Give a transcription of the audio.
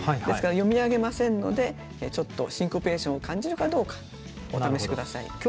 ですから読み上げませんのでちょっとシンコペーションを感じるかどうかお試し下さい。